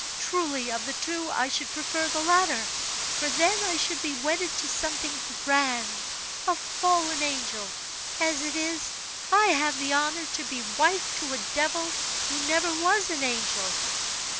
Truly of the two I should prefer the latter, for then I should be wedded to something grand a fallen angel; as it is, I have the honor to be wife to a devil who never was an angel?"